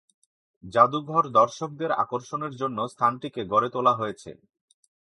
জাদুঘর দর্শকদের আকর্ষণের জন্য স্থানটিকে গড়ে তোলা হয়েছে।